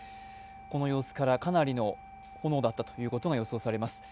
この様子から、かなりの炎だったことが予想されます。